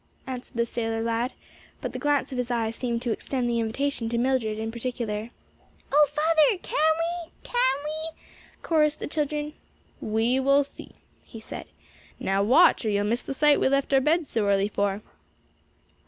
answered the sailor lad; but the glance of his eye seemed to extend the invitation to Mildred in particular. "O father, can we? can we?" chorused the children. "We will see;" he said. "Now watch or you'll miss the sight we left our beds so early for."